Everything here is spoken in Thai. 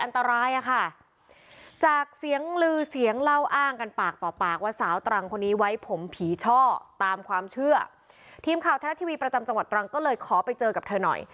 ทีมข่าวไทยรัฐทีวีประจำจังหวัดตรังก็เลยขอไปเจอกับเธอหน่อย